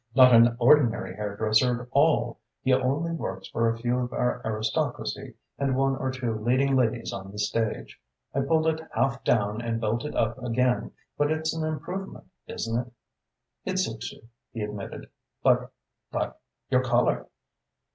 Not an ordinary hairdresser at all. He only works for a few of our aristocracy and one or two leading ladies on the stage. I pulled it half down and built it up again, but it's an improvement, isn't it?" "It suits you," he admitted. "But but your colour!"